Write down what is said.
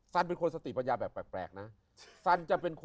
สันเป็นคนสติปัญญาแบบแปลก